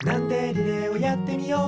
リレーをやってみよう！」